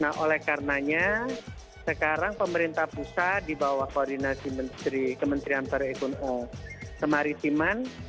nah oleh karenanya sekarang pemerintah pusat dibawah koordinasi kementerian pariwisata kemaritiman